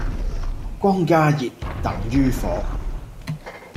光加熱,等於火